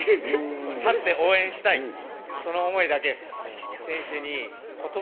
立って応援したい、その思いだけです。